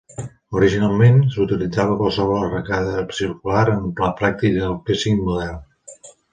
Originalment, s'utilitzava qualsevol arracada circular en la pràctica del pírcing modern.